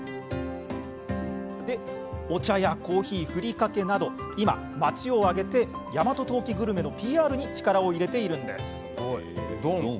お茶やコーヒー、ふりかけなど今、町を挙げて大和当帰グルメのＰＲに力を入れているんです。